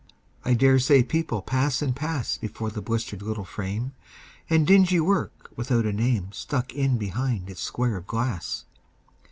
I dare say people pass and pass Before the blistered little frame, And dingy work without a name Stuck in behind its square of glass.